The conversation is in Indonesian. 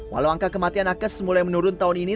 walau angka kematian nakes mulai menurun tahun ini